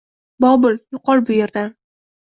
Bobil! Yo `qol bu yerdan!